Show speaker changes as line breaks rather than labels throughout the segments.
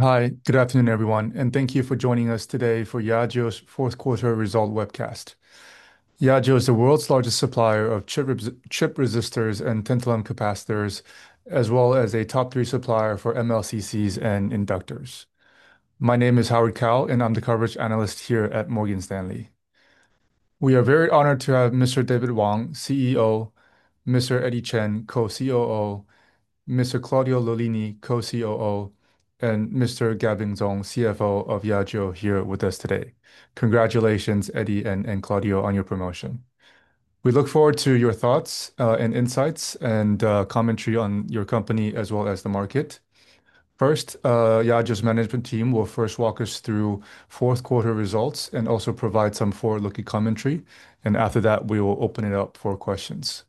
Hi. Good afternoon, everyone, and thank you for joining us today for Yageo's Q4 result webcast. Yageo is the world's largest supplier of chip resistors and tantalum capacitors, as well as a top three supplier for MLCCs and inductors. My name is Howard Kao, and I'm the coverage analyst here at Morgan Stanley. We are very honored to have Mr. David Wang, CEO, Mr. Eddie Chen, co-COO, Mr. Claudio Lollini, co-COO, and Mr. Gavin Zhong, CFO of Yageo here with us today. Congratulations, Eddie and Claudio, on your promotion. We look forward to your thoughts, and insights and commentary on your company as well as the market. First, Yageo's management team will first walk us through Q4 results and also provide some forward-looking commentary, and after that, we will open it up for questions.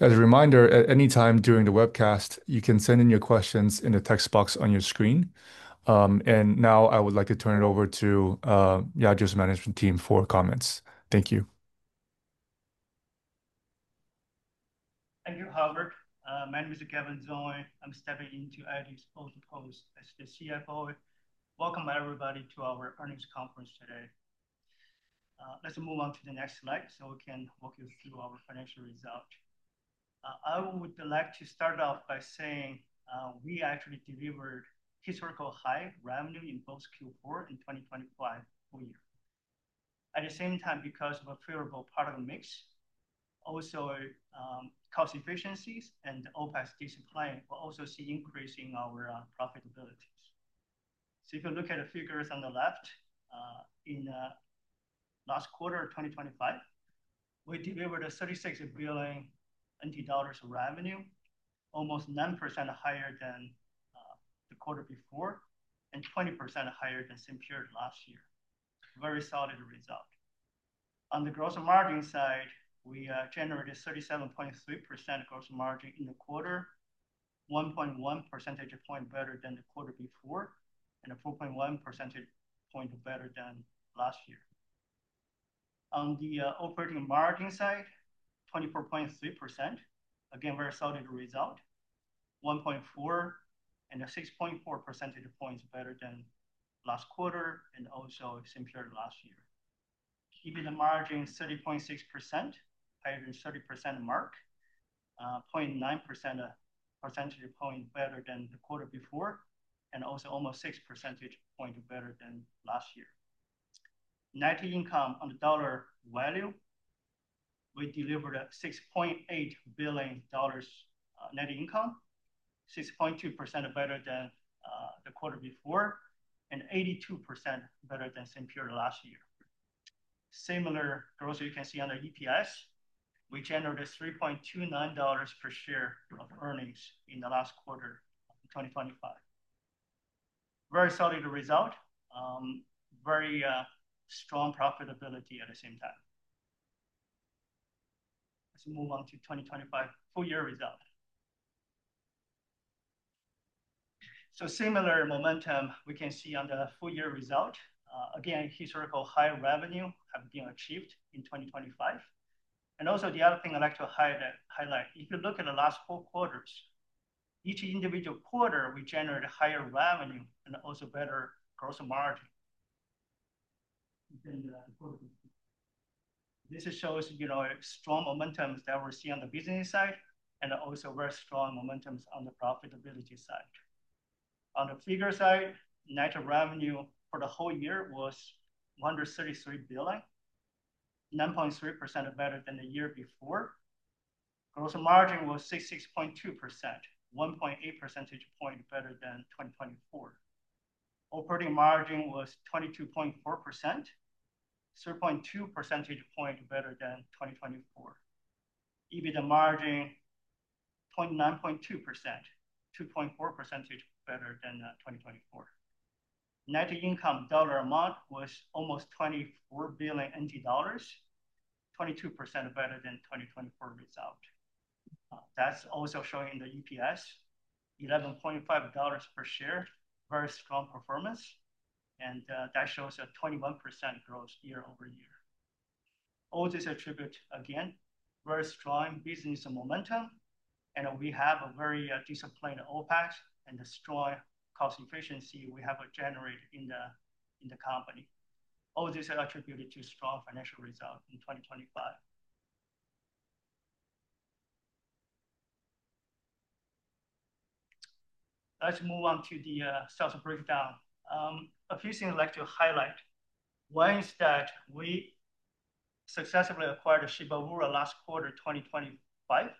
As a reminder, at any time during the webcast, you can send in your questions in the text box on your screen. Now I would like to turn it over to Yageo's management team for comments. Thank you.
Thank you, Howard. My name is Gavin Zhong. I'm stepping into Eddie's position as the CFO. Welcome, everybody, to our earnings conference today. Let's move on to the next slide, so we can walk you through our financial result. I would like to start off by saying, we actually delivered historically high revenue in both Q4 and 2025 full year. At the same time, because of a favorable product mix, also, cost efficiencies and OpEx discipline, we're also seeing an increase in our profitabilities. If you look at the figures on the left, in the last quarter of 2025, we delivered 36 billion NT dollars of revenue, almost 9% higher than the quarter before and 20% higher than the same period last year. Very solid result. On the gross margin side, we generated 37.3% gross margin in the quarter, 1.1 percentage point better than the quarter before, and a 4.1 percentage point better than last year. On the operating margin side, 24.3%, again, very solid result, 1.4 and 6.4 percentage points better than last quarter and also same period last year. EBITDA margin, 30.6%, higher than 30%-mark, 0.9 percentage point better than the quarter before and also almost 6 percentage point better than last year. Net income on the dollar value, we delivered 6.8 billion dollars net income, 6.2% better than the quarter before and 82% better than same period last year. Similar growth you can see on the EPS. We generated $3.29 per share of earnings in the last quarter of 2025. Very solid result. Very strong profitability at the same time. Let's move on to 2025 full year result. Similar momentum we can see on the full year result. Again, historical high revenue have been achieved in 2025. Also the other thing I'd like to highlight, if you look at the last four quarters, each individual quarter we generated higher revenue and also better gross margin than the quarter before. This shows, you know, strong momentums that we're seeing on the business side and also very strong momentums on the profitability side. On the figure side, net revenue for the whole year was 133 billion, 9.3% better than the year before. Gross margin was 66.2%, 1.8 percentage points better than 2024. Operating margin was 22.4%, 0.2 percentage points better than 2024. EBITDA margin, 29.2%, 2.4 percentage points better than 2024. Net income dollar amount was almost 24 billion dollars, 22% better than 2024 result. That's also showing the EPS, 11.5 dollars per share. Very strong performance and that shows a 21% growth year-over-year. All this attributed, again, very strong business momentum, and we have a very disciplined OpEx and the strong cost efficiency we have generated in the company. All this attributed to strong financial result in 2025. Let's move on to the sales breakdown. A few things I'd like to highlight. One is that we successfully acquired Shibaura last quarter, 2025,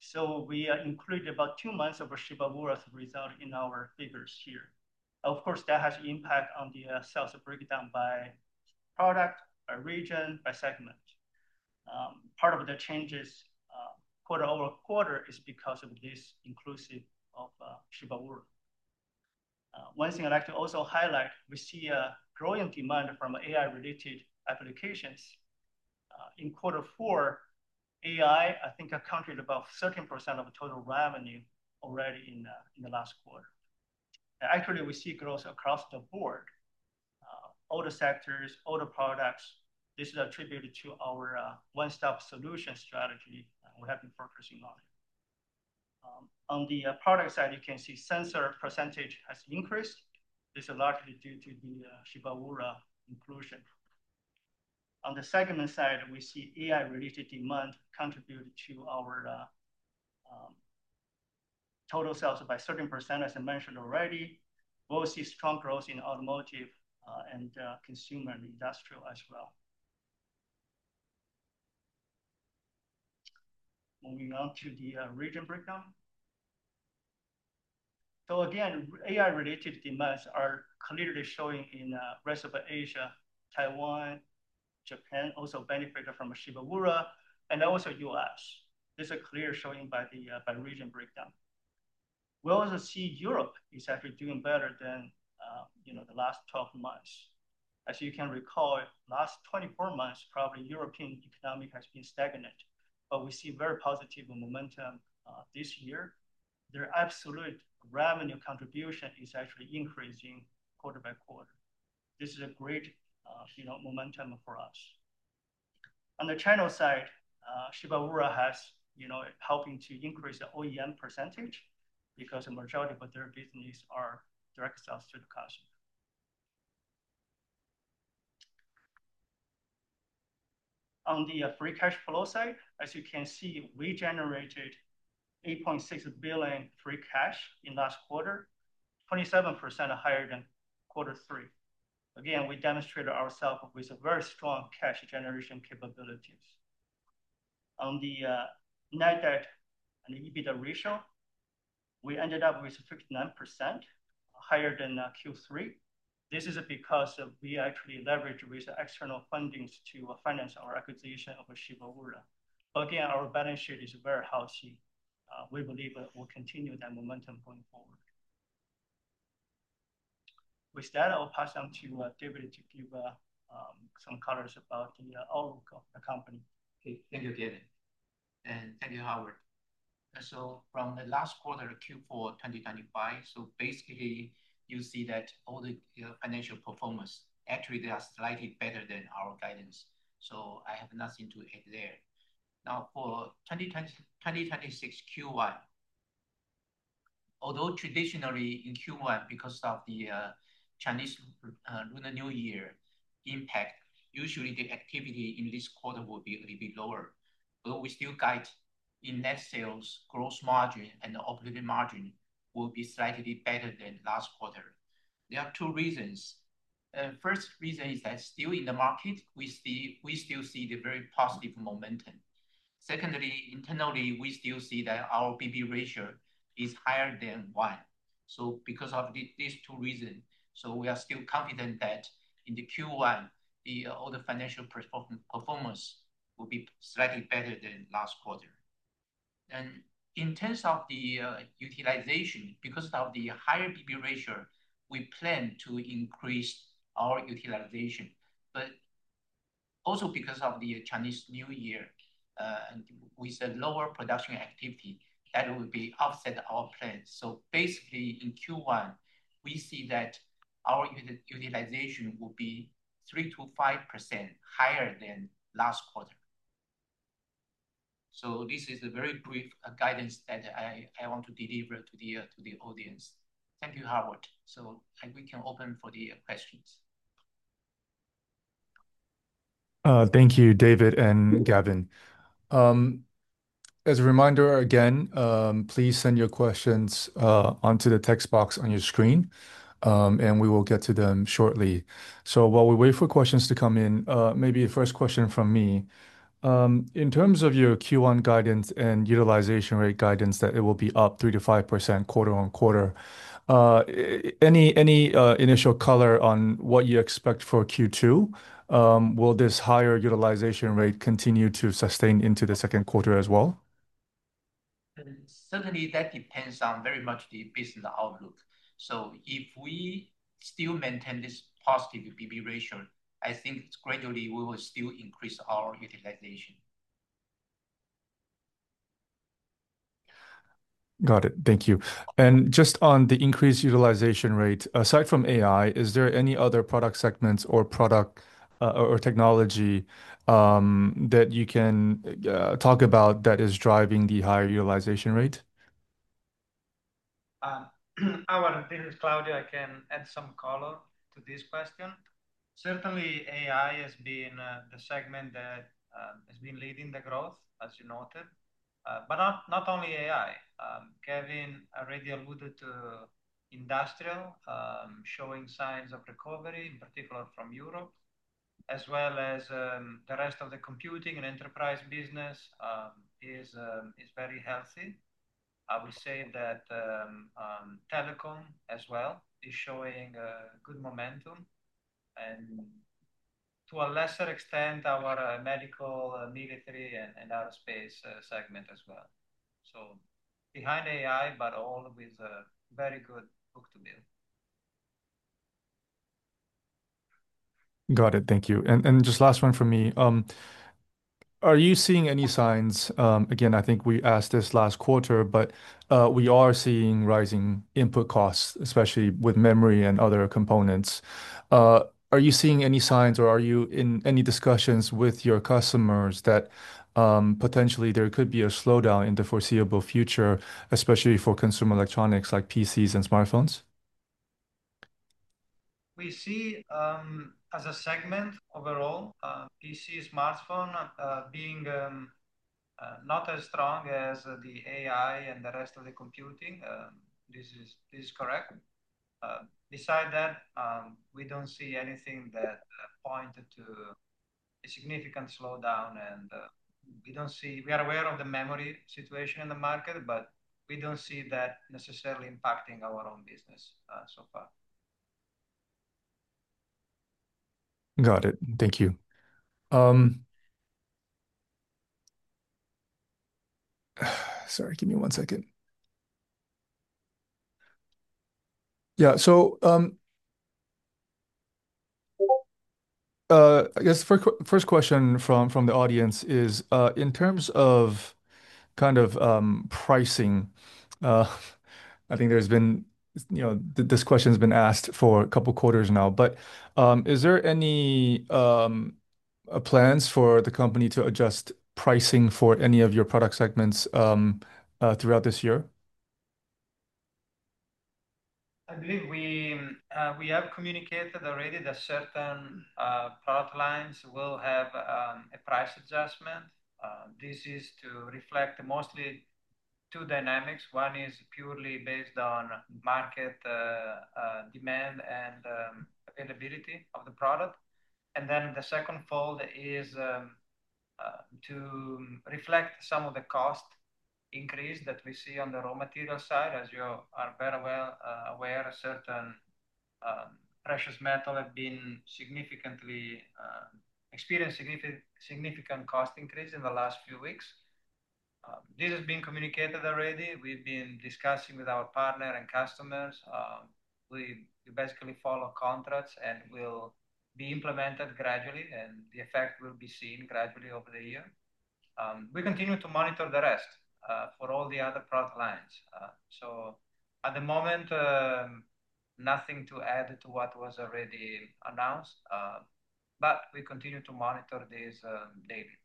so we included about two months of Shibaura's result in our figures here. Of course, that has impact on the sales breakdown by product, by region, by segment. Part of the changes quarter-over-quarter is because of this inclusion of Shibaura. One thing I'd like to also highlight, we see a growing demand from AI-related applications. In quarter four, AI, I think, accounted for about 13% of total revenue already in the last quarter. Actually, we see growth across the board. All the sectors, all the products, this is attributed to our one-stop solution strategy that we have been focusing on. On the product side, you can see sensor percentage has increased. This is largely due to the Shibaura inclusion. On the segment side, we see AI-related demand contribute to our total sales by 13% as I mentioned already. We will see strong growth in automotive and consumer and industrial as well. Moving on to the region breakdown. Again, AI-related demands are clearly showing in rest of Asia, Taiwan, Japan also benefited from Shibaura and also US This is clear showing by the region breakdown. We also see Europe is actually doing better than you know the last 12 months. As you can recall, last 24 months, probably European economy has been stagnant, but we see very positive momentum this year. Their absolute revenue contribution is actually increasing quarter by quarter. This is a great you know momentum for us. On the channel side, Shibaura has, you know, helping to increase the OEM percentage because the majority of their business are direct sales to the customer. On the free cash flow side, as you can see, we generated 8.6 billion free cash in last quarter, 27% higher than quarter 3. Again, we demonstrated ourself with a very strong cash generation capabilities. On the net debt and EBITDA ratio, we ended up with 59% higher than Q3. This is because of we actually leverage with external fundings to finance our acquisition of Shibaura. Again, our balance sheet is very healthy. We believe that we'll continue that momentum going forward. With that, I'll pass on to David to give some colors about the overall the company.
Thank you, Gavin. Thank you, Howard. From the last quarter, Q4 2025, basically, you see that all the financial performance actually they are slightly better than our guidance. I have nothing to add there. Now, for 2026 Q1, although traditionally in Q1 because of the Chinese Lunar New Year impact, usually the activity in this quarter will be a little bit lower, but we still guide in net sales, gross margin, and operating margin will be slightly better than last quarter. There are two reasons. First reason is that still in the market, we still see the very positive momentum. Secondly, internally, we still see that our BB ratio is higher than one. Because of these two reasons, we are still confident that in the Q1, all the financial performance will be slightly better than last quarter. In terms of the utilization, because of the higher BB ratio, we plan to increase our utilization. Also, because of the Chinese New Year, with a lower production activity, that will offset our plans. Basically, in Q1, we see that our utilization will be 3% to 5% higher than last quarter. This is a very brief guidance that I want to deliver to the audience. Thank you, Howard. We can open for the questions.
Thank you, David and Gavin. As a reminder again, please send your questions onto the text box on your screen, and we will get to them shortly. While we wait for questions to come in, maybe a first question from me. In terms of your Q1 guidance and utilization rate guidance, that it will be up 3% to 5% quarter-on-quarter, any initial color on what you expect for Q2? Will this higher utilization rate continue to sustain into the Q2 as well?
Certainly, that depends on very much the business outlook. If we still maintain this positive BB ratio, I think gradually we will still increase our utilization.
Got it. Thank you. Just on the increased utilization rate, aside from AI, is there any other product segments or product, or technology, that you can talk about that is driving the higher utilization rate?
Howard, this is Claudio. I can add some color to this question. Certainly, AI has been the segment that has been leading the growth, as you noted. But not only AI. Kevin already alluded to industrial showing signs of recovery, in particular from Europe, as well as the rest of the computing and enterprise business is very healthy. I will say that telecom as well is showing good momentum and to a lesser extent our medical, military, and outer space segment as well. Behind AI, but all with a very good book-to-bill.
Got it. Thank you. Just last one from me. Are you seeing any signs, again, I think we asked this last quarter, but we are seeing rising input costs, especially with memory and other components. Are you seeing any signs, or are you in any discussions with your customers that potentially there could be a slowdown in the foreseeable future, especially for consumer electronics like PCs and smartphones?
We see, as a segment overall, PC, smartphone being not as strong as the AI and the rest of the computing. This is correct. Besides that, we don't see anything that points to a significant slowdown, and we are aware of the memory situation in the market, but we don't see that necessarily impacting our own business so far.
Got it. Thank you. Sorry, give me one second. Yeah. I guess first question from the audience is, in terms of kind of, pricing, I think there's been, you know, this question's been asked for a couple quarters now. Is there any plans for the company to adjust pricing for any of your product segments, throughout this year?
I believe we have communicated already that certain product lines will have a price adjustment. This is to reflect mostly two dynamics. One is purely based on market demand and availability of the product. Then the second fold is to reflect some of the cost increase that we see on the raw material side. As you are very well aware, certain precious metals have experienced significant cost increases in the last few weeks. This has been communicated already. We've been discussing with our partners and customers. We basically follow contracts and will be implemented gradually, and the effect will be seen gradually over the year. We continue to monitor the rest for all the other product lines. At the moment, nothing to add to what was already announced, but we continue to monitor this daily.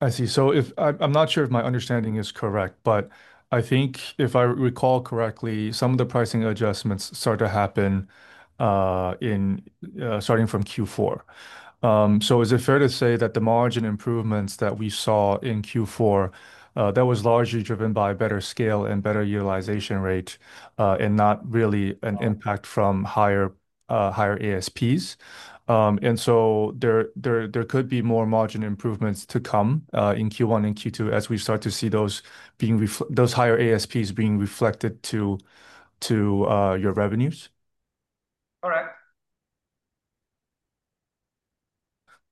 I see. I'm not sure if my understanding is correct, but I think if I recall correctly, some of the pricing adjustments start to happen in starting from Q4. Is it fair to say that the margin improvements that we saw in Q4, that was largely driven by better scale and better utilization rate and not really an impact from higher ASPs? There could be more margin improvements to come in Q1 and Q2 as we start to see those higher ASPs being reflected to your revenues?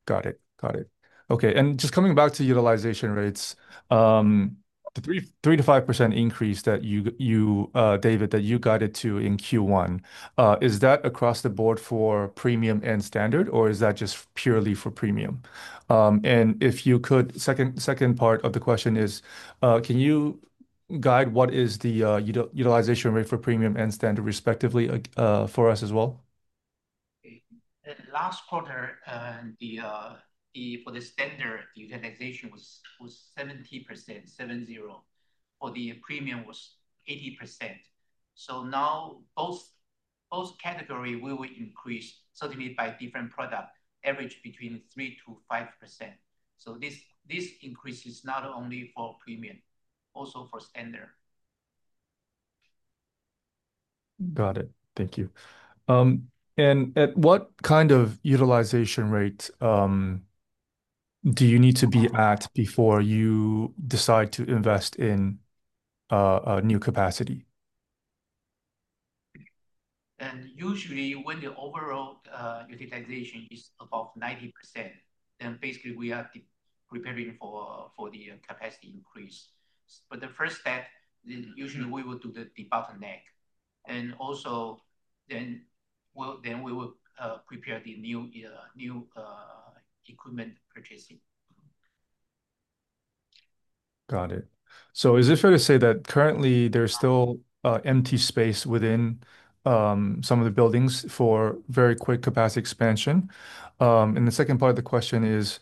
Correct.
Got it. Okay. Just coming back to utilization rates, the 3% to 5% increase that you, David, guided to in Q1, is that across the board for premium and standard, or is that just purely for premium? If you could, second part of the question is, can you guide what is the utilization rate for premium and standard respectively, for us as well?
Last quarter, the utilization for the standard was 70%, 70. For the premium was 80%. Now both category we will increase certainly by different product, average between 3% to 5%. This increase is not only for premium, also for standard.
Got it. Thank you. At what kind of utilization rate do you need to be at before you decide to invest in a new capacity?
Usually when the overall utilization is above 90%, then basically we are preparing for the capacity increase. The first step, then usually we will do the bottleneck. Also then we will prepare the new equipment purchasing.
Got it. Is it fair to say that currently there's still empty space within some of the buildings for very quick capacity expansion? The second part of the question is,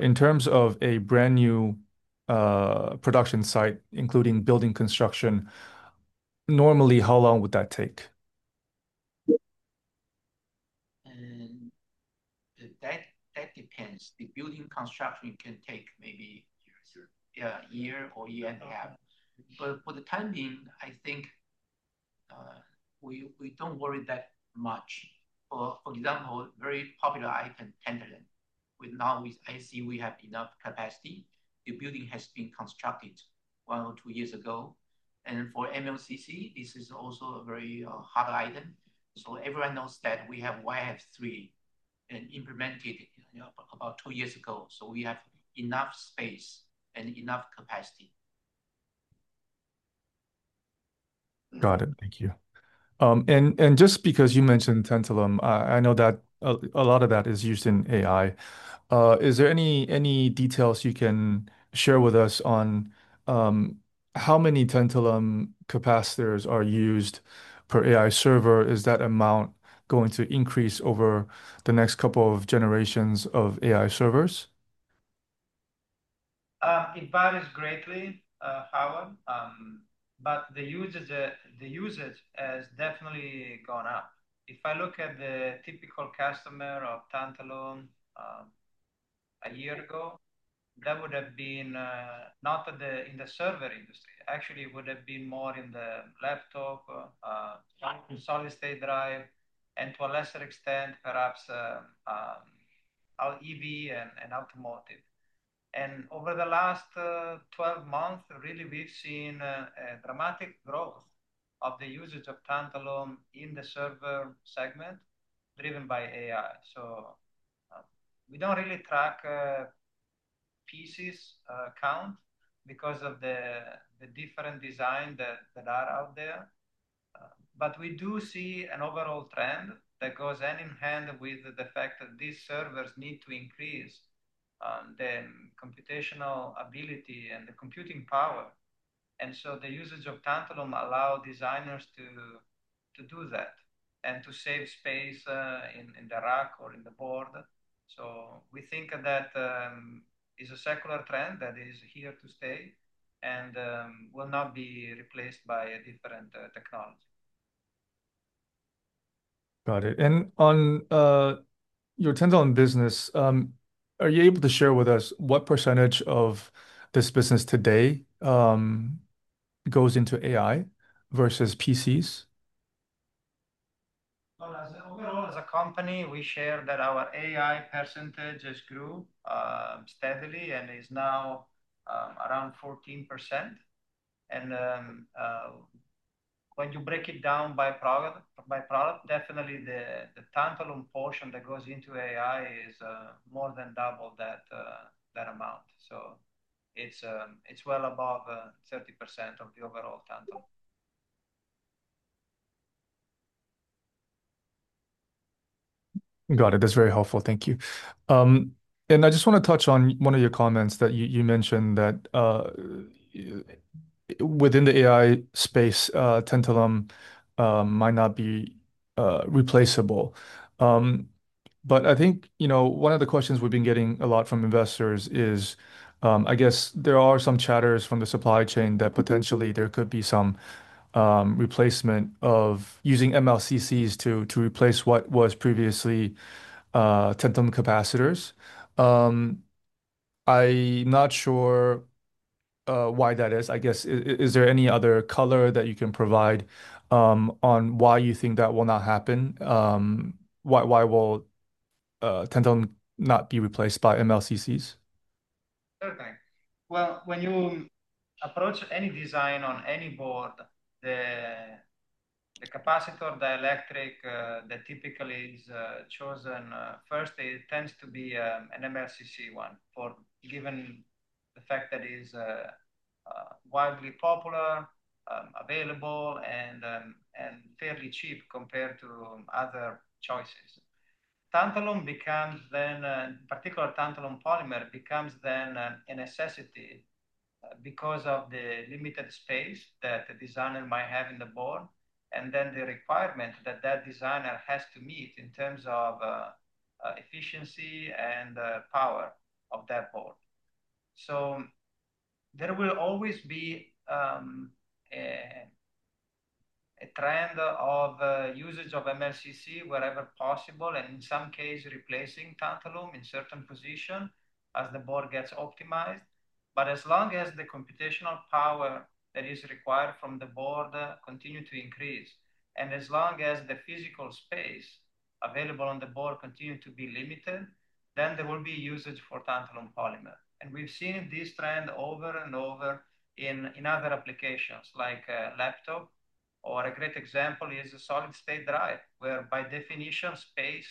in terms of a brand-new production site, including building construction, normally, how long would that take?
That depends. The building construction can take maybe.
Year or two.
Yeah, a year or year and a half. But for the time being, I think we don't worry that much. For example, very popular item, tantalum. With now with IC, we have enough capacity. The building has been constructed one or two years ago. For MLCC, this is also a very hot item. Everyone knows that we have Phase III and implemented, you know, about two years ago. We have enough space and enough capacity.
Got it. Thank you. Just because you mentioned tantalum, I know that a lot of that is used in AI. Is there any details you can share with us on how many tantalum capacitors are used per AI server? Is that amount going to increase over the next couple of generations of AI servers?
It varies greatly, Howard. The usage has definitely gone up. If I look at the typical customer of tantalum, a year ago, that would have been in the server industry, actually it would have been more in the laptop or,
Mm-hmm...
solid-state drive, and to a lesser extent perhaps, EV and automotive. Over the last 12 months, really we've seen a dramatic growth of the usage of tantalum in the server segment driven by AI. We don't really track piece count because of the different design that are out there. But we do see an overall trend that goes hand in hand with the fact that these servers need to increase the computational ability and the computing power. The usage of tantalum allow designers to do that and to save space in the rack or in the board. We think that is a secular trend that is here to stay and will not be replaced by a different technology.
Got it. On your tantalum business, are you able to share with us what percentage of this business today goes into AI versus PCs?
Overall, as a company, we share that our AI percentage has grew steadily and is now around 14%. When you break it down by product, definitely the tantalum portion that goes into AI is more than double that amount. It's well above 30% of the overall tantalum.
Got it. That's very helpful. Thank you. I just want to touch on one of your comments that you mentioned that within the AI space, tantalum might not be replaceable. I think, you know, one of the questions we've been getting a lot from investors is, I guess there are some chatters from the supply chain that potentially there could be some replacement of using MLCCs to replace what was previously tantalum capacitors. I'm not sure why that is. I guess, is there any other color that you can provide on why you think that will not happen? Why will tantalum not be replaced by MLCCs?
Well, when you approach any design on any board, the capacitor, the electrolytic that typically is chosen first, it tends to be an MLCC one, given the fact that it is widely popular, available, and fairly cheap compared to other choices. Tantalum becomes then particular tantalum polymer becomes then a necessity because of the limited space that the designer might have in the board, and then the requirement that that designer has to meet in terms of efficiency and power of that board. There will always be a trend of usage of MLCC wherever possible, and in some cases, replacing tantalum in certain positions as the board gets optimized. As long as the computational power that is required from the board continue to increase, and as long as the physical space available on the board continue to be limited, then there will be usage for tantalum polymer. We've seen this trend over and over in other applications like laptop, or a great example is a solid-state drive, where by definition, space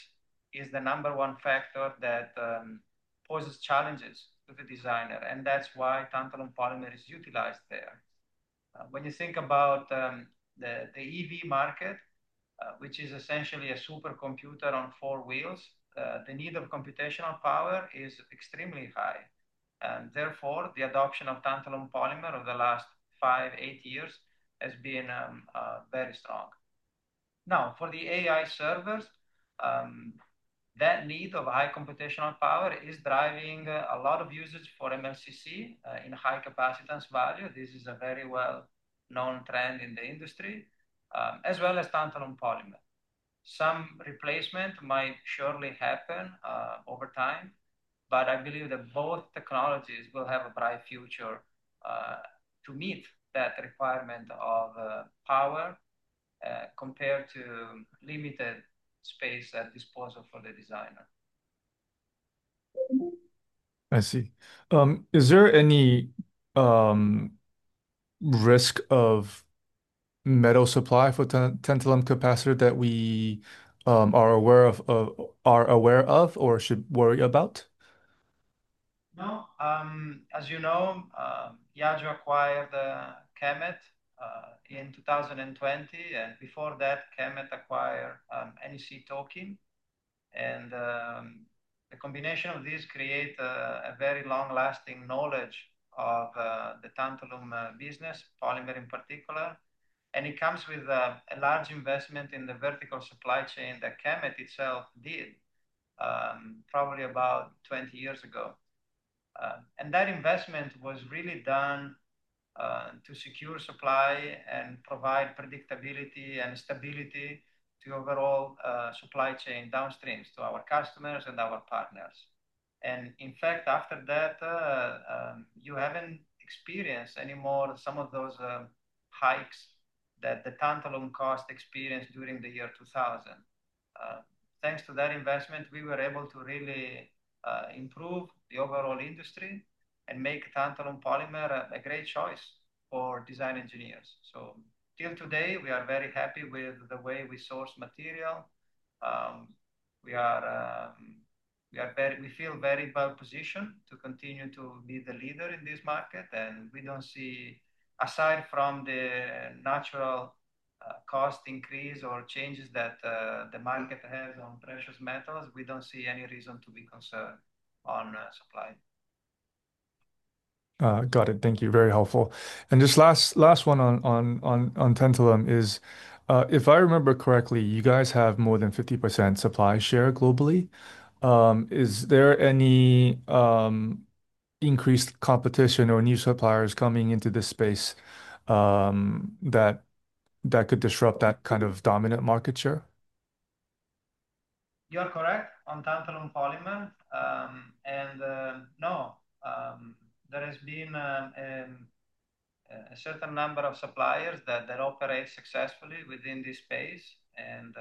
is the number one factor that poses challenges to the designer, and that's why tantalum polymer is utilized there. When you think about the EV market, which is essentially a super computer on four wheels, the need of computational power is extremely high. Therefore, the adoption of tantalum polymer over the last 5-8 years has been very strong. Now, for the AI servers, the need for high computational power is driving a lot of usage for MLCC in high capacitance value. This is a very well-known trend in the industry, as well as tantalum polymer. Some replacement might surely happen over time, but I believe that both technologies will have a bright future to meet that requirement of power compared to limited space at disposal for the designer.
I see. Is there any risk of metal supply for tantalum capacitor that we are aware of or should worry about?
No, as you know, Yageo acquired KEMET in 2020, and before that, KEMET acquired NEC TOKIN. The combination of this create a very long-lasting knowledge of the tantalum business, polymer in particular. It comes with a large investment in the vertical supply chain that KEMET itself did, probably about 20 years ago. That investment was really done to secure supply and provide predictability and stability to overall supply chain downstream, to our customers and our partners. In fact, after that, you haven't experienced any more some of those hikes that the tantalum cost experienced during the year 2000. Thanks to that investment, we were able to really improve the overall industry and make tantalum polymer a great choice for design engineers. Till today, we are very happy with the way we source material. We feel very well-positioned to continue to be the leader in this market. We don't see, aside from the natural cost increase or changes that the market has on precious metals, any reason to be concerned on supply.
Got it. Thank you. Very helpful. Just last one on tantalum is, if I remember correctly, you guys have more than 50% supply share globally. Is there any increased competition or new suppliers coming into this space that could disrupt that kind of dominant market share?
You're correct on tantalum polymer. No, there has been a certain number of suppliers that operate successfully within this space, and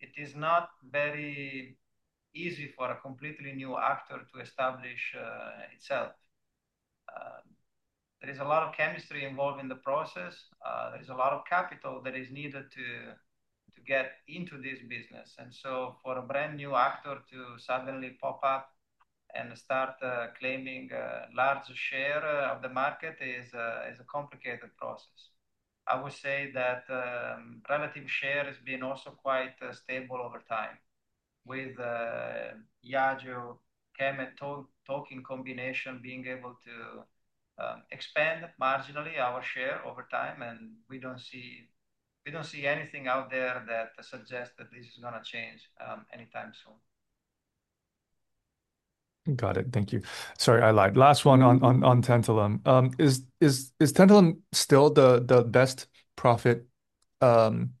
it is not very easy for a completely new actor to establish itself. There is a lot of chemistry involved in the process. There is a lot of capital that is needed to get into this business. For a brand-new actor to suddenly pop up and start claiming large share of the market is a complicated process. I would say that relative share has been also quite stable over time with Yageo, KEMET, TOKIN combination being able to expand marginally our share over time, and we don't see anything out there that suggests that this is going to change anytime soon.
Got it. Thank you. Sorry, I lied. Last one on tantalum. Is tantalum still the best profit in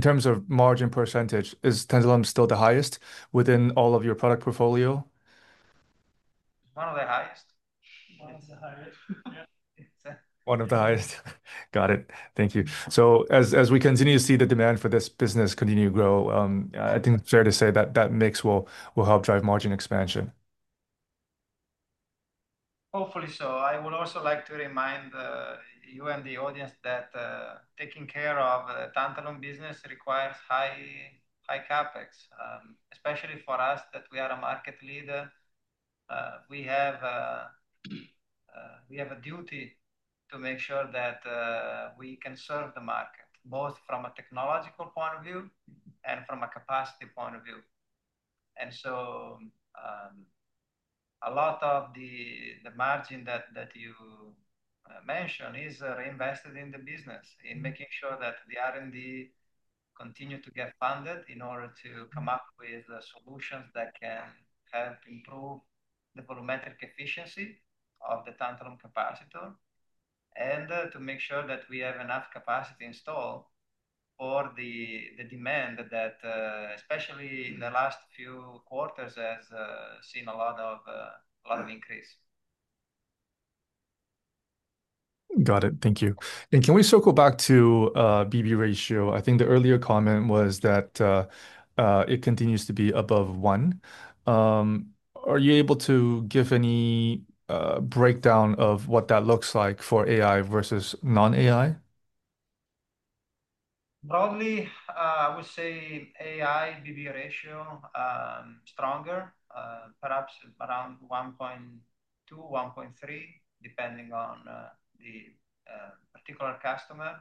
terms of margin percentage, is tantalum still the highest within all of your product portfolio?
One of the highest.
One of the highest. Yeah.
One of the highest. Got it. Thank you. As we continue to see the demand for this business continue to grow, I think it's fair to say that mix will help drive margin expansion.
Hopefully so. I would also like to remind you and the audience that taking care of the tantalum business requires high CapEx, especially for us that we are a market leader. We have a duty to make sure that we can serve the market, both from a technological point of view and from a capacity point of view. A lot of the margin that you mentioned is reinvested in the business, in making sure that the R&D continue to get funded in order to come up with solutions that can help improve the volumetric efficiency of the tantalum capacitor, and to make sure that we have enough capacity installed for the demand that, especially in the last few quarters, has seen a lot of increase.
Got it. Thank you. Can we circle back to BB ratio? I think the earlier comment was that it continues to be above one. Are you able to give any breakdown of what that looks like for AI versus non-AI?
Broadly, I would say AI BB ratio stronger, perhaps around 1.2-1.3, depending on the particular customer.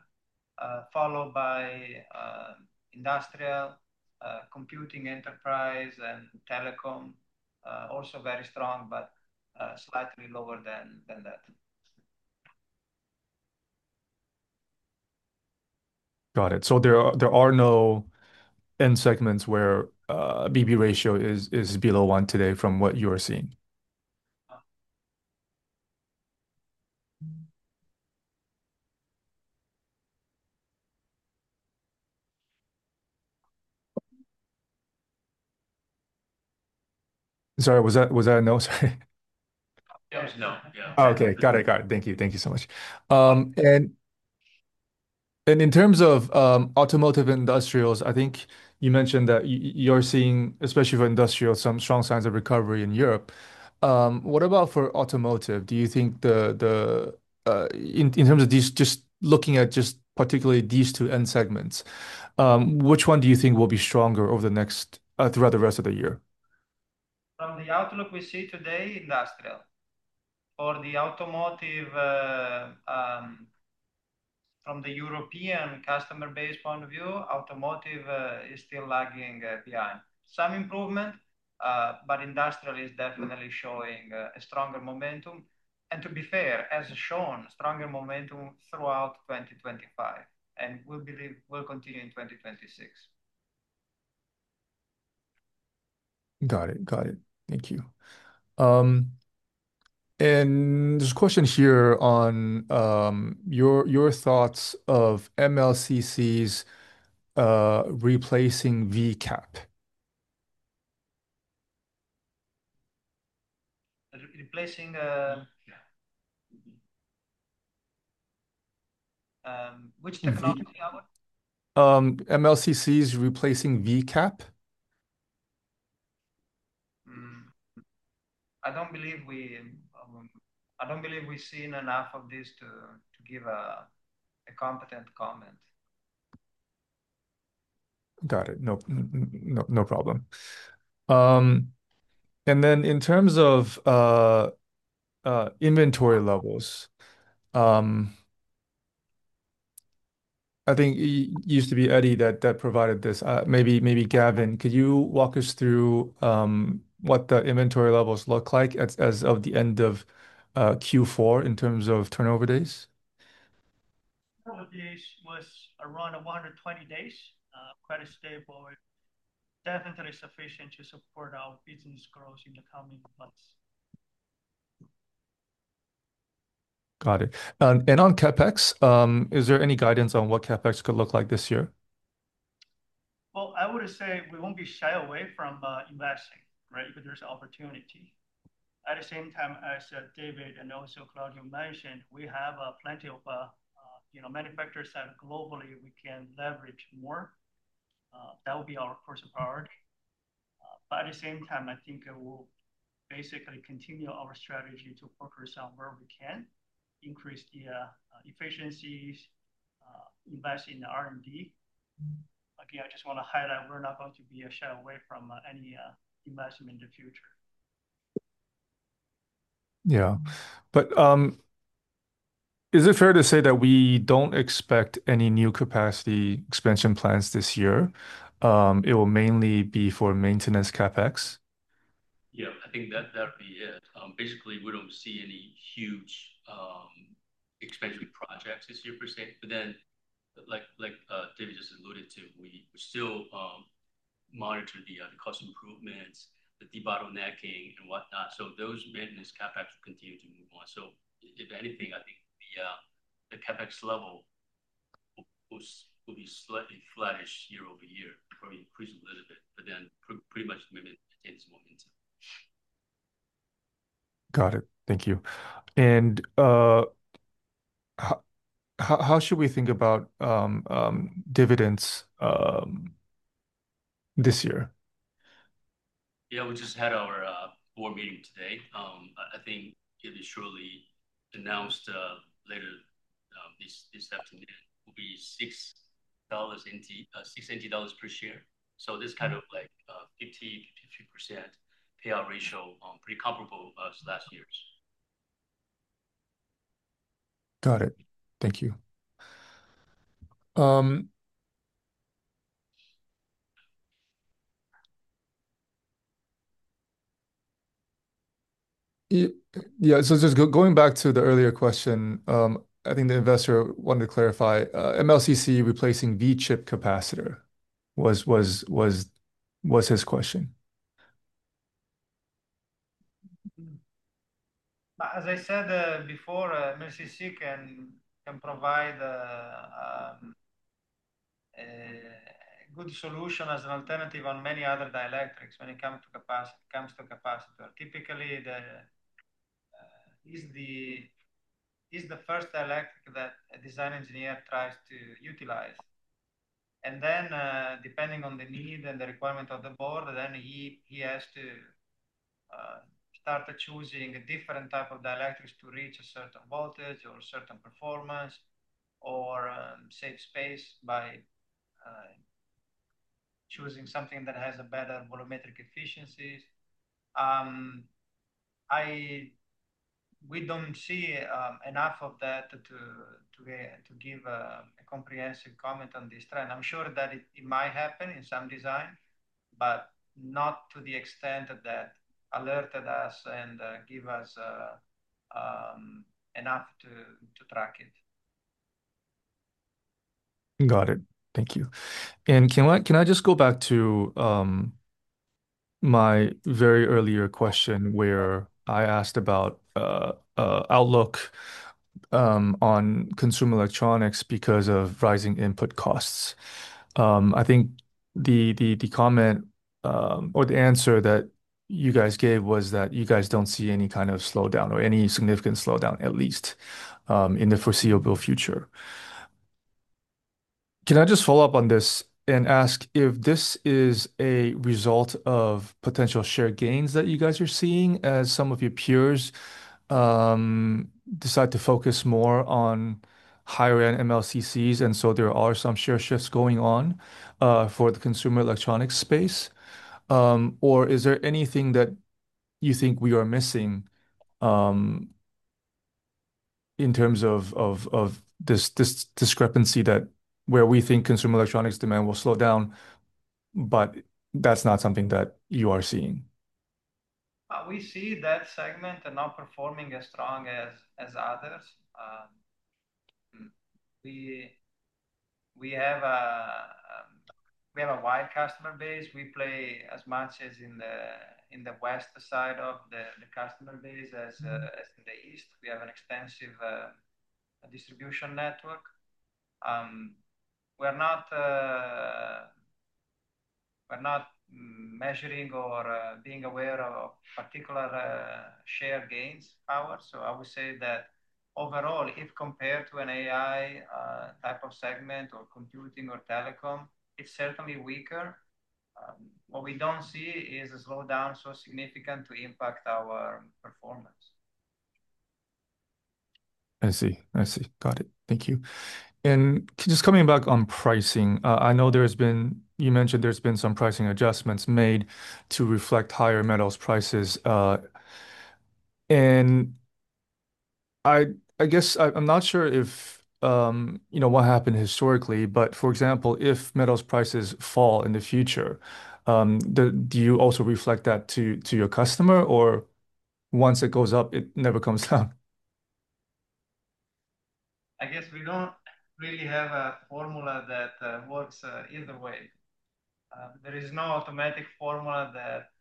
Followed by industrial, computing enterprise and telecom, also very strong but slightly lower than that.
Got it. There are no end segments where BB ratio is below one today from what you are seeing?
Uh.
Sorry, was that a no, sorry?
That was a no. Yeah.
Okay. Got it. Thank you. Thank you so much. In terms of automotive industrials, I think you mentioned that you're seeing, especially for industrial, some strong signs of recovery in Europe. What about for automotive? Do you think in terms of these two end segments, which one do you think will be stronger throughout the rest of the year?
From the outlook we see today, Industrial. For the Automotive, from the European customer base point of view, Automotive is still lagging behind. Some improvement, but Industrial is definitely showing a stronger momentum. To be fair, as shown, stronger momentum throughout 2025, and we believe it will continue in 2026.
Got it. Thank you. There's a question here on your thoughts of MLCCs replacing VCAP.
Replacing.
Yeah.
Which technology are we
MLCCs replacing V-chip capacitor.
I don't believe we've seen enough of this to give a competent comment.
Got it. No, no problem. Then in terms of inventory levels, I think it used to be Eddie that provided this. Maybe Gavin, could you walk us through what the inventory levels look like as of the end of Q4 in terms of turnover days?
Turnover days was around 120 days, quite stable and definitely sufficient to support our business growth in the coming months.
Got it. On CapEx, is there any guidance on what CapEx could look like this year?
Well, I would say we won't be shy away from investing, right? If there's opportunity. At the same time, as David and also Claudio mentioned, we have plenty of, you know, manufacturer side globally we can leverage more. That would be our first priority. At the same time, I think it will basically continue our strategy to focus on where we can increase the efficiencies, invest in R&D. Again, I just want to highlight, we're not going to be shy away from any investment in the future.
Is it fair to say that we don't expect any new capacity expansion plans this year? It will mainly be for maintenance CapEx?
Yeah. I think that would be it. Basically, we don't see any huge expansion projects this year, per se. Like David just alluded to, we still monitor the cost improvements, the debottlenecking and whatnot. Those maintenance CapEx will continue to move on. If anything, I think the CapEx level will be slightly flattish year-over-year, probably increase a little bit, but then pretty much maintain its momentum.
Got it. Thank you. How should we think about dividends this year?
Yeah. We just had our board meeting today. I think it is surely announced later this afternoon. It will be 6.80 dollars per share. This is kind of like 50%-52% payout ratio, pretty comparable to last year's.
Got it. Thank you. Yeah, just going back to the earlier question, I think the investor wanted to clarify, MLCC replacing V-chip capacitor was his question.
As I said, before, MLCC can provide a good solution as an alternative on many other dielectrics when it comes to capacitor. Typically, MLCC is the first dielectric that a design engineer tries to utilize. Depending on the need and the requirement of the board, he has to start choosing a different type of dielectrics to reach a certain voltage or a certain performance or save space by choosing something that has a better volumetric efficiencies. We don't see enough of that to give a comprehensive comment on this trend. I'm sure that it might happen in some design, but not to the extent that alerted us and give us enough to track it.
Got it. Thank you. Can I just go back to my very earlier question where I asked about outlook on consumer electronics because of rising input costs? I think the comment or the answer that you guys gave was that you guys don't see any kind of slowdown or any significant slowdown, at least, in the foreseeable future. Can I just follow up on this and ask if this is a result of potential share gains that you guys are seeing as some of your peers decide to focus more on higher end MLCCs, and so there are some share shifts going on for the consumer electronics space. Is there anything that you think we are missing, in terms of this discrepancy that where we think consumer electronics demand will slow down, but that's not something that you are seeing?
We see that segment are not performing as strong as others. We have a wide customer base. We play as much as in the west side of the customer base as in the east. We have an extensive distribution network. We're not measuring or being aware of particular share gains per se. I would say that overall, if compared to an AI type of segment or computing or telecom, it's certainly weaker. What we don't see is a slowdown so significant to impact our performance.
I see. Got it. Thank you. Just coming back on pricing, I know you mentioned there's been some pricing adjustments made to reflect higher metals prices, and I guess I'm not sure if, you know, what happened historically, but for example, if metals prices fall in the future, do you also reflect that to your customer, or once it goes up, it never comes down?
I guess we don't really have a formula that works either way. There is no automatic formula that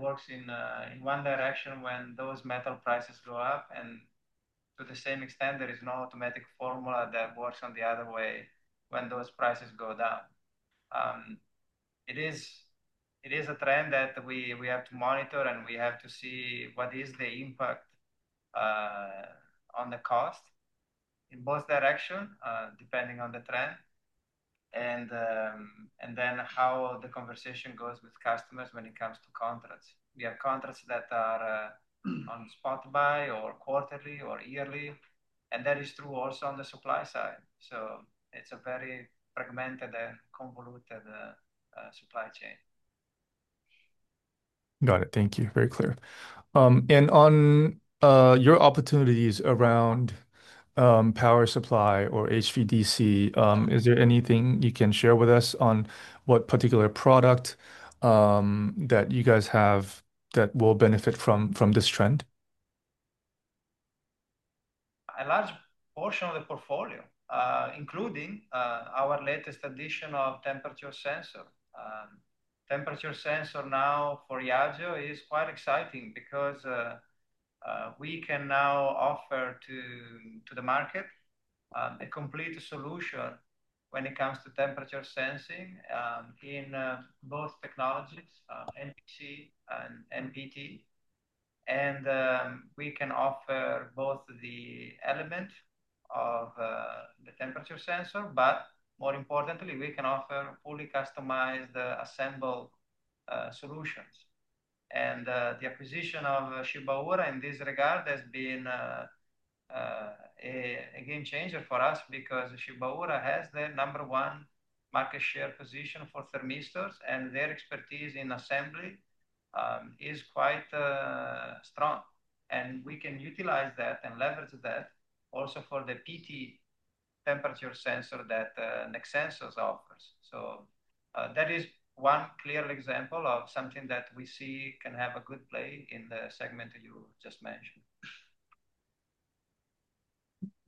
works in one direction when those metal prices go up, and to the same extent, there is no automatic formula that works on the other way when those prices go down. It is a trend that we have to monitor, and we have to see what is the impact on the cost in both direction depending on the trend, and then how the conversation goes with customers when it comes to contracts. We have contracts that are on spot buy or quarterly or yearly, and that is true also on the supply side. It's a very fragmented and convoluted supply chain.
Got it. Thank you. Very clear. On your opportunities around power supply or HVDC, is there anything you can share with us on what particular product that you guys have that will benefit from this trend?
A large portion of the portfolio, including our latest addition of temperature sensor. Temperature sensor now for Yageo is quite exciting because we can now offer to the market a complete solution when it comes to temperature sensing in both technologies, NTC and PTC. We can offer both the element of the temperature sensor, but more importantly, we can offer fully customized assembled solutions. The acquisition of Shibaura in this regard has been a game changer for us because Shibaura has the number one market share position for thermistors, and their expertise in assembly is quite strong. We can utilize that and leverage that also for the PTC temperature sensor that Nexensos offers. that is one clear example of something that we see can have a good play in the segment you just mentioned.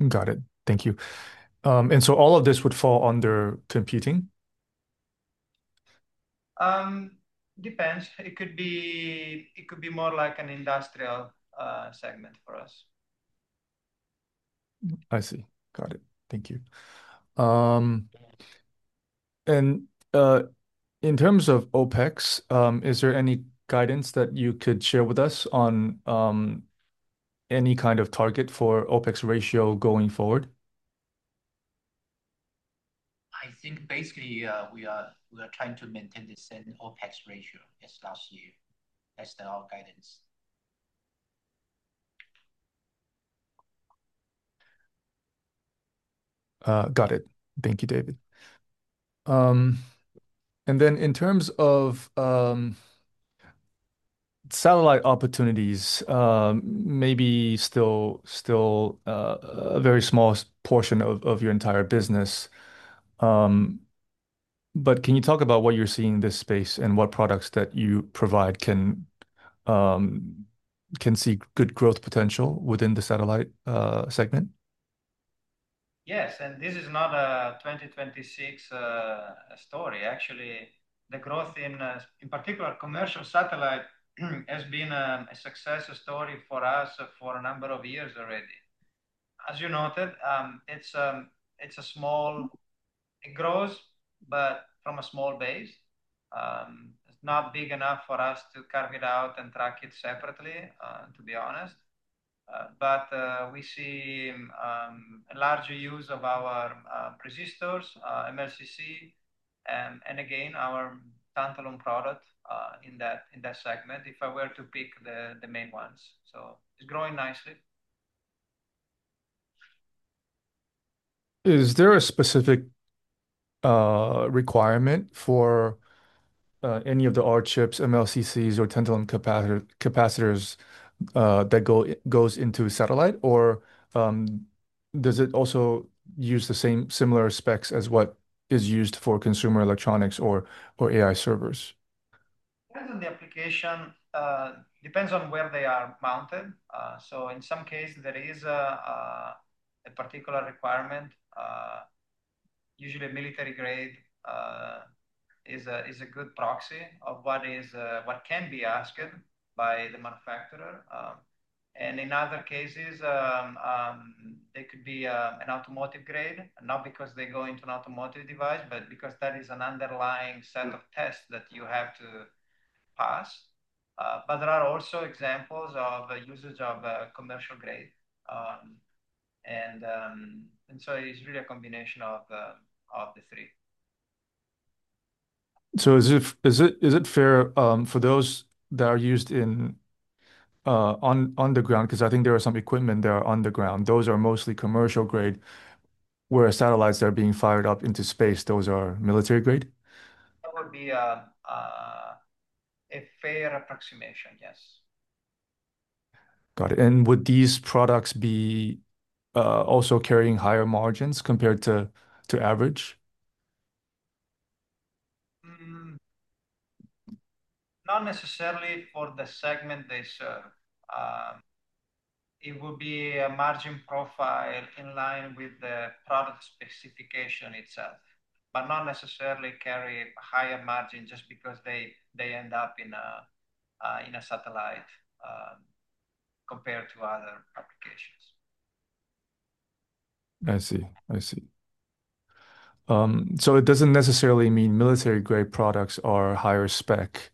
Got it. Thank you. All of this would fall under computing?
Depends. It could be, it could be more like an industrial segment for us.
I see. Got it. Thank you. In terms of OpEx, is there any guidance that you could share with us on any kind of target for OpEx ratio going forward?
I think basically, we are trying to maintain the same OpEx ratio as last year as our guidance.
Got it. Thank you, David. In terms of satellite opportunities, maybe still a very small portion of your entire business, but can you talk about what you're seeing in this space and what products that you provide can see good growth potential within the satellite segment?
Yes. This is not a 2026 story. Actually, the growth in particular commercial satellite has been a success story for us for a number of years already. As you noted, it's a small. It grows, but from a small base. It's not big enough for us to carve it out and track it separately, to be honest. But we see a larger use of our resistors, MLCC, and again, our tantalum product in that segment, if I were to pick the main ones. It's growing nicely.
Is there a specific requirement for any of the chip resistors, MLCCs or tantalum capacitors that goes into a satellite? Or, does it also use the same similar specs as what is used for consumer electronics or AI servers?
Depends on the application. Depends on where they are mounted. In some cases, there is a particular requirement. Usually, military grade is a good proxy of what can be asked by the manufacturer. In other cases, they could be an automotive grade, not because they go into an automotive device, but because that is an underlying set of tests that you have to pass. There are also examples of usage of commercial grade, and it's really a combination of the three.
Is it fair for those that are used in on the ground? Cause I think there are some equipment that are on the ground. Those are mostly commercial grade, whereas satellites that are being fired up into space, those are military grade.
That would be a fair approximation, yes.
Got it. Would these products be also carrying higher margins compared to average?
Not necessarily for the segment they serve. It would be a margin profile in line with the product specification itself but not necessarily carry higher margin just because they end up in a satellite, compared to other applications.
I see. So it doesn't necessarily mean military-grade products are higher spec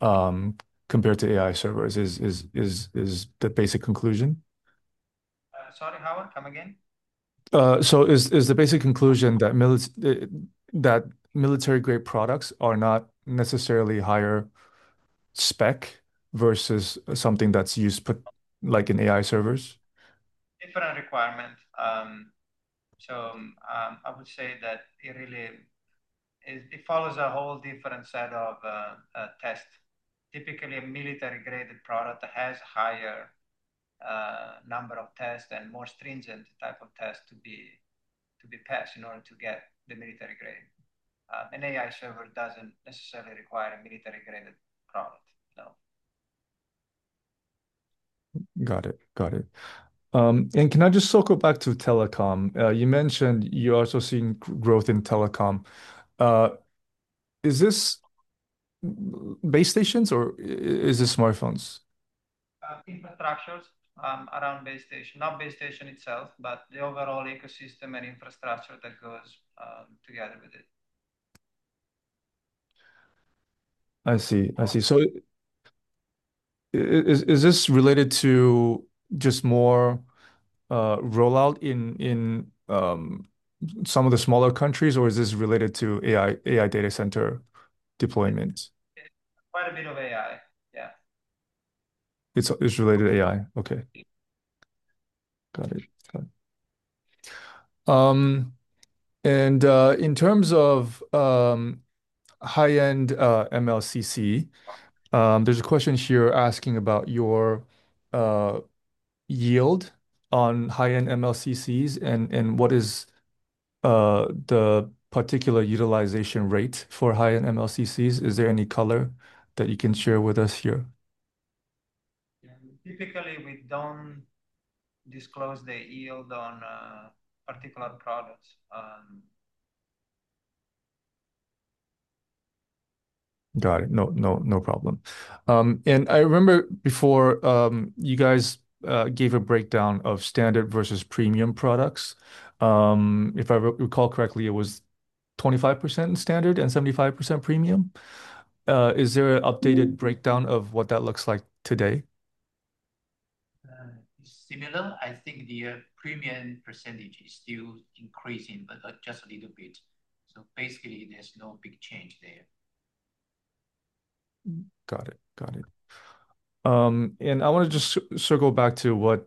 compared to AI servers, is the basic conclusion?
Sorry, Howard. Come again?
Is the basic conclusion that military-grade products are not necessarily higher spec versus something that's used like in AI servers?
Different requirement. I would say that it really follows a whole different set of tests. Typically, a military-graded product has higher number of tests and more stringent type of tests to be passed in order to get the military grade. An AI server doesn't necessarily require a military-graded product, no.
Got it. Can I just circle back to telecom? You mentioned you're also seeing growth in telecom. Is this base stations or is this smartphones?
Infrastructures around base station. Not base station itself, but the overall ecosystem and infrastructure that goes together with it.
I see. Is this related to just more rollout in some of the smaller countries or is this related to AI data center deployments?
It's quite a bit of AI, yeah.
It's related to AI? Okay. Got it. In terms of high-end MLCC, there's a question here asking about your yield on high-end MLCCs and what is the particular utilization rate for high-end MLCCs. Is there any color that you can share with us here?
Yeah. Typically, we don't disclose the yield on particular products.
Got it. No problem. I remember before, you guys gave a breakdown of standard versus premium products. If I recall correctly, it was 25% in standard and 75% premium. Is there an updated breakdown of what that looks like today?
Similar. I think the premium percentage is still increasing, but just a little bit. Basically, there's no big change there.
Got it. I want to just circle back to, like,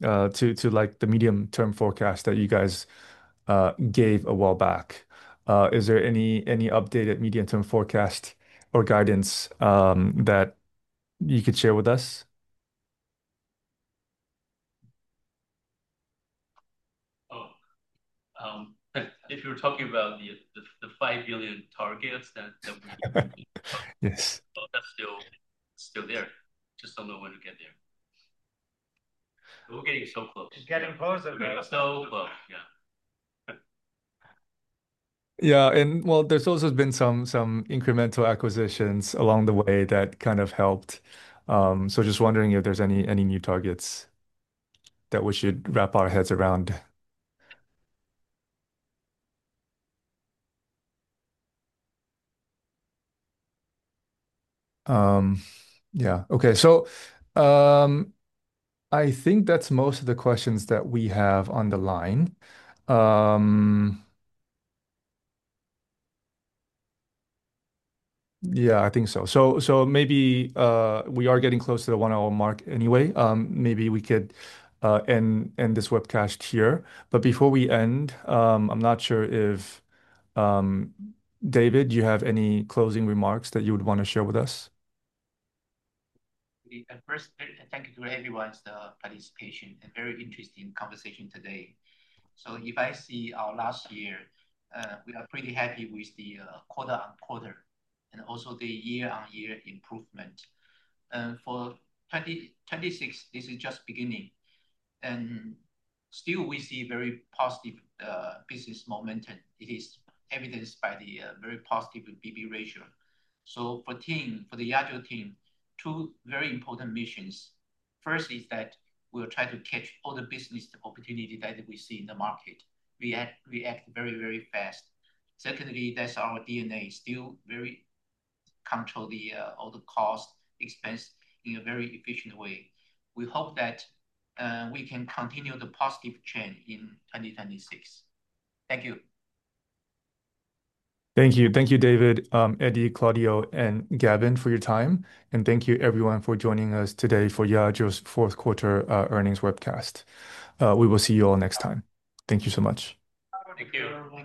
the medium-term forecast that you guys gave a while back. Is there any updated medium term forecast or guidance that you could share with us?
If you're talking about the $5 billion targets that we-
Yes.
That's still there. Just don't know when to get there. We're getting so close. Getting closer. We're getting so close. Yeah.
Yeah. Well, there's also been some incremental acquisitions along the way that kind of helped. Just wondering if there's any new targets that we should wrap our heads around. Yeah. Okay. I think that's most of the questions that we have on the line. Yeah, I think so. Maybe we are getting close to the one-hour mark anyway. Maybe we could end this webcast here. Before we end, I'm not sure if David, do you have any closing remarks that you would want to share with us?
First, thank you to everyone's participation and very interesting conversation today. If I see our last year, we are pretty happy with the quarter-on-quarter and also the year-on-year improvement. For 2026, this is just beginning, and still, we see very positive business momentum. It is evidenced by the very positive BB ratio. For the team, for the Yageo team, two very important missions. First is that we'll try to catch all the business opportunity that we see in the market. We act very fast. Secondly, that's our DNA, still we control all the cost expense in a very efficient way. We hope that we can continue the positive trend in 2026. Thank you.
Thank you. Thank you, David, Eddie, Claudio, and Gavin for your time. Thank you everyone for joining us today for Yageo's Q4 earnings webcast. We will see you all next time. Thank you so much.
Thank you.